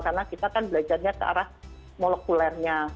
karena kita kan belajarnya ke arah molekulernya